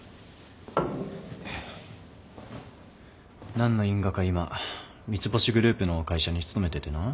何の因果か今三ツ星グループの会社に勤めててな。